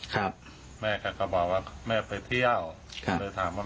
ครับครับครับครับครับครับครับครับครับครับครับครับ